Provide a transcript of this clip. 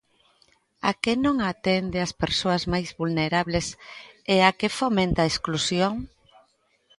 ¿A que non atende as persoas máis vulnerables e a que fomenta a exclusión?